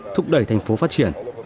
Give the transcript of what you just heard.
thúc đẩy thành phố phát triển